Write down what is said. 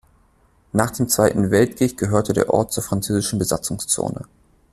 Nach dem Zweiten Weltkrieg gehörte der Ort zur französischen Besatzungszone.